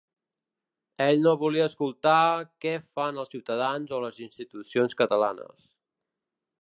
Ell no volia escoltar què fan els ciutadans o les institucions catalanes.